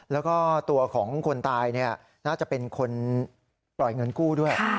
แล้วก็ตัวของคนตายน่าจะเป็นคนปล่อยเงินกู้ด้วย